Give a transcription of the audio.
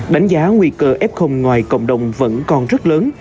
đánh giá nguy cơ f ngoài cộng đồng vẫn còn rất lớn